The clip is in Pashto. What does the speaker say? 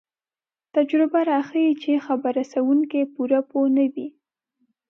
تجربه راښيي چې خبر رسوونکی پوره پوه نه وي.